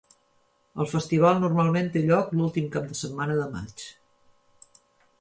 El festival normalment té lloc l'últim cap de setmana de maig.